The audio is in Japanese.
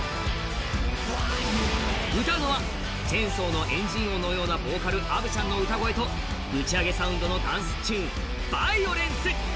歌うのはチェンソーのエンジン音のような歌声のアヴちゃんの歌声とぶち上げサウンドのダンスチューン。